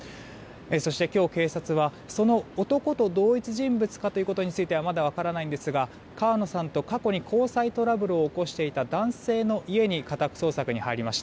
そして、今日警察はその男と同一人物かということについてはまだ分からないんですが川野さんと過去に交際トラブルを起こしていた男性の家に家宅捜索に入りました。